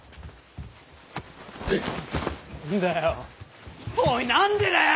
何だよおい何でだよ！